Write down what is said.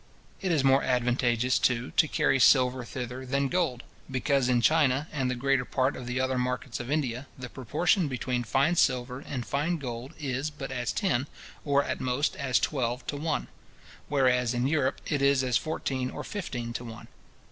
It is more advantageous, too, to carry silver thither than gold; because in China, and the greater part of the other markets of India, the proportion between fine silver and fine gold is but as ten, or at most as twelve to one; whereas in Europe it is as fourteen or fifteen to one.